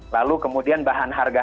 lalu kemudian bahan harga